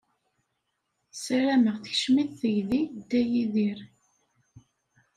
Ssarameɣ tekcem-it tegdi Dda Yidir.